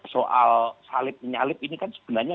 soal salib menyalip ini kan sebenarnya